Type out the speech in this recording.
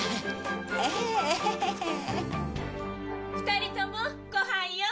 ２人ともご飯よ。